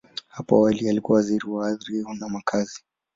Hapo awali, alikuwa Waziri wa Ardhi na Makazi.